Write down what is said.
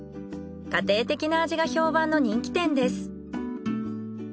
家庭的な味が評判の人気店です。